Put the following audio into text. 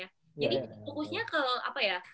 jadi fokusnya ke apa ya